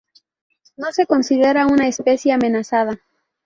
No se considera una especie amenazada.